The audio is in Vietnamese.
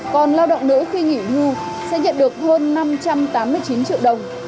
còn lao động nữ khi nghỉ hưu sẽ nhận được hơn năm trăm tám mươi chín triệu đồng